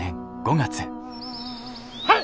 はい！